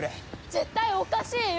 絶対おかしいよ！